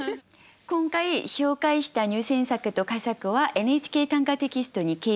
今回紹介した入選作と佳作は「ＮＨＫ短歌」テキストに掲載されます。